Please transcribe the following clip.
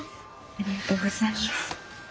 ありがとうございます。